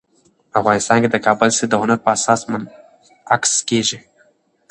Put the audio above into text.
افغانستان کې د کابل سیند د هنر په اثار کې منعکس کېږي.